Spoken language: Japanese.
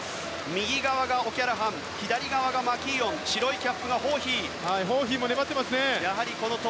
右側がオキャラハン左側がマキーオン白いキャップがホーヒー。